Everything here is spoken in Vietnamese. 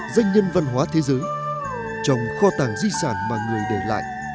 danh nhân văn hóa thế giới trong kho tàng di sản mà người để lại